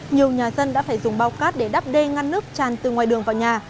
nhiều nhà dân đã phải dùng bao cát để đắp đê ngăn nước tràn từ ngoài đường vào nhà